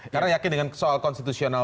karena yakin dengan soal konstitusional